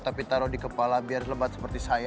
tapi taruh di kepala biar lebat seperti saya